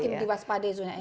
semakin diwaspadai zona ini